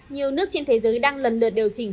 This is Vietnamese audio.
nhiều nước trên thế giới đang lần lượt điều chỉnh